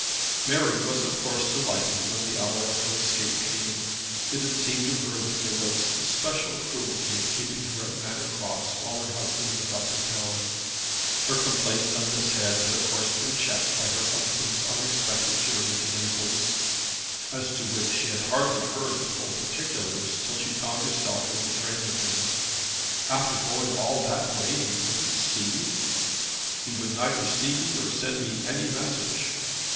Mary was of course delighted when the hour of her escape came. It had seemed to her that there was especial cruelty in keeping her at Manor Cross while her husband was up in town. Her complaints on this head had of course been checked by her husband's unexpected journey to Naples, as to which she had hardly heard the full particulars till she found herself in the train with him. "After going all that way he wouldn't see you!" "He neither would see me or send me any message."